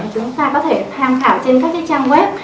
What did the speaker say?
chúng ta có thể tham khảo trên các trang web